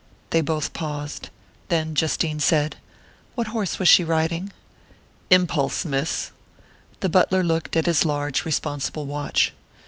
They both paused. Then Justine said: "What horse was she riding?" "Impulse, Miss." The butler looked at his large responsible watch.